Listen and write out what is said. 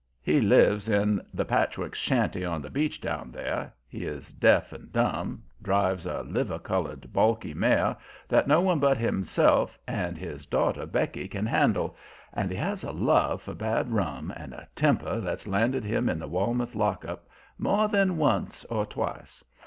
He lives in the patchwork shanty on the beach down there, he is deaf and dumb, drives a liver colored, balky mare that no one but himself and his daughter Becky can handle, and he has a love for bad rum and a temper that's landed him in the Wellmouth lock up more than once or twice.